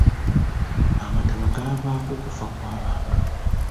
Amataba gavaako okufa kw'abantu.